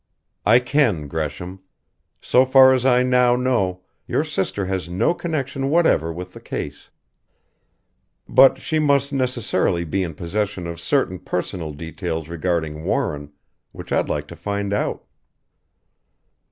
"I can, Gresham. So far as I now know, your sister has no connection whatever with the case. But she must necessarily be in possession of certain personal details regarding Warren which I'd like to find out."